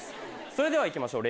それではいきましょう。